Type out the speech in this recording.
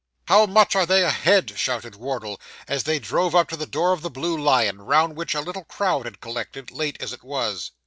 'How much are they ahead?' shouted Wardle, as they drove up to the door of the Blue Lion, round which a little crowd had collected, late as it was.